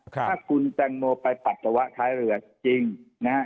ถ้าคุณแตงโมไปปัสสาวะท้ายเรือจริงนะฮะ